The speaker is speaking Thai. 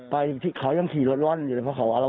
ไปที่เขายังขยรถร่อนอยู่เพราะเขาอรวาตอยู่